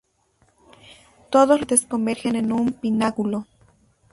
Todos los salientes convergen en un pináculo.